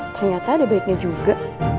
ternyata ada baiknya juga